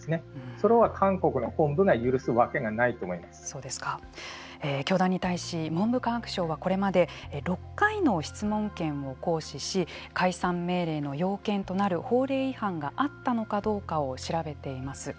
それは韓国の教団に対し文部科学省は、これまで６回の質問権を行使し解散命令の要件となる法令違反があったのかどうかを調べています。